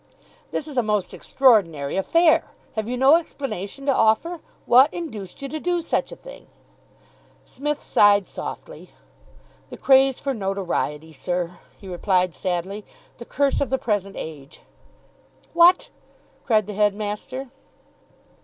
" This is a most extraordinary affair. Have you no explanation to offer? What induced you to do such a thing?" Psmith sighed softly. "The craze for notoriety, sir," he replied sadly. "The curse of the present age." "What!" cried the headmaster.